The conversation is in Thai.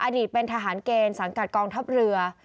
อดีตเป็นทหารเกณฑ์สังกัดกองทัพเรือ